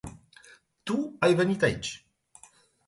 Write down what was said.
Tu ai venit aici.